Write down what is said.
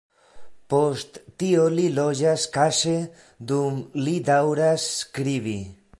Post tio li loĝas kaŝe dum li daŭras skribi.